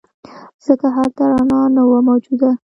ځکه هلته رڼا نه وه موجوده.